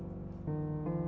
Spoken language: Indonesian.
karena kennedy menyerah